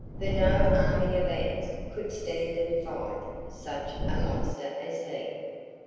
For no army of ants could stand and fight such a monster as he.